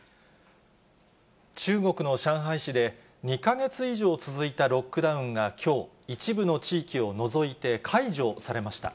中国の上海市で、２か月以上続いたロックダウンがきょう、一部の地域を除いて解除されました。